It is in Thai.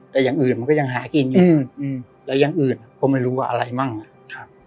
แต่อย่างอื่นมันก็ยังหากินอยู่แล้วยังอื่นเขาไม่รู้ว่าอะไรมั่งอ่ะ